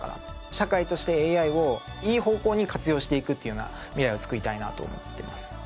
社会としてＡＩをいい方向に活用していくっていうようなミライをつくりたいなと思っています。